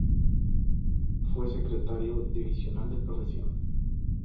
Fue secretario divisional de profesión.